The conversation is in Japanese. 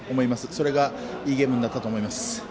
それが、いいゲームになったと思います。